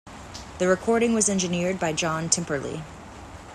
The recording was engineered by John Timperley.